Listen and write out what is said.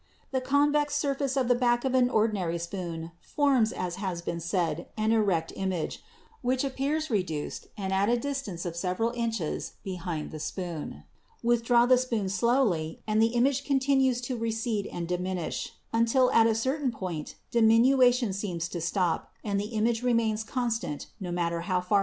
The convex surface of the back of an ordinary spoon forms, as has been said, an erect image, which appears reduced and at a distance of several inches behind the spoon. Withdraw the spoon slowly, and the image con tinues to recede and diminish, until at a certain point the Muscles of Eye which Direct Movements. Cross section of Globe of Eye.